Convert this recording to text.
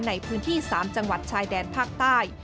ในพื้นที่๓จังหวัดชายแดนภาคใต้